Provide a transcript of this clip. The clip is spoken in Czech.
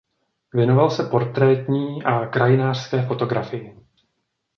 Věnoval se portrétní a krajinářské fotografii.